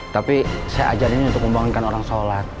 tapi saya ajarin untuk membangunkan orang sholat